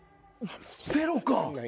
ゼロか！